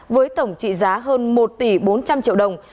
với tổng trị giá hơn một tỷ bốn trăm linh triệu đồng